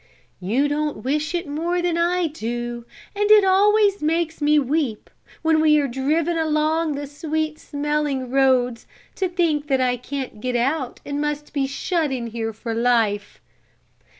"You don't wish it more than I do, and it always makes me weep, when we are driven along the sweet smelling roads, to think that I can't get out and must be shut in here for life."